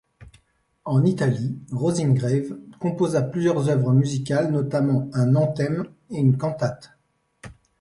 En Italie, Roseingrave composa plusieurs œuvres musicales, notamment un anthem et une cantate.